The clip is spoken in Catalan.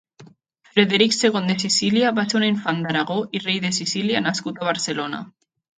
Frederic segon de Sicília va ser un infant d'Aragó i rei de Sicília nascut a Barcelona.